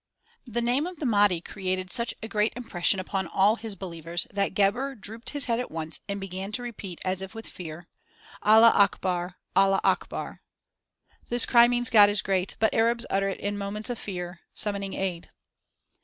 The name of the Mahdi created such a great impression upon all his believers that Gebhr drooped his head at once and began to repeat as if with fear: "Allah akbar! Allah akbar!"* [* This cry means, "God is great"; but Arabs utter it in moments of fear, summoning aid.